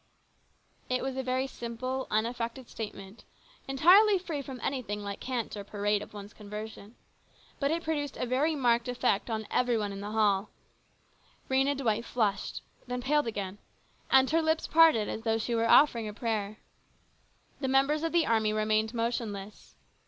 It was a very simple, unaffected statement, entirely free from anything like cant or parade of one's conversion. But it produced a very marked effect upon every one in the hall. Rhena Dwight flushed, then paled again, and her lips parted as though she were offering a prayer. The members of the army remained motionless.